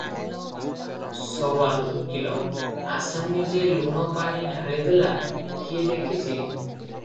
ସୱାଲ ଉକୀଲ - ଆସାମୀ ଯେ ଲୁଣ ପାଣି ଢାଳି ଦେଲା, କିଏ ଦେଖିଛି?